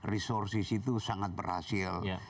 resursi situ sangat berhasil